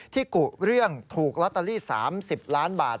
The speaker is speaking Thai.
ที่กุเรื่องถูกลอตตาลี๓๐ล้านบาท